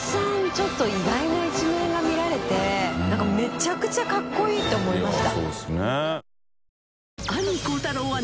ちょっと意外な一面が見られて覆鵑めちゃくちゃかっこいいて思いました。